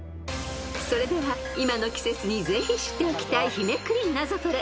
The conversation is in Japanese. ［それでは今の季節にぜひ知っておきたい日めくりナゾトレ。